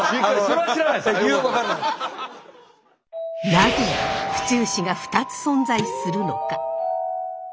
なぜ府中市が２つ存在するのか？